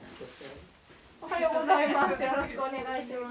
おはようございます。